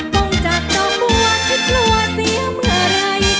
ปล้องจากกล้องบัวกที่ล่วนเสียเมื่อไหร่